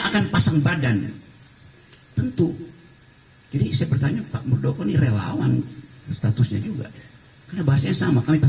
kepala staf kepresidenan muldoko menyebut bahwa pernyataan muldoko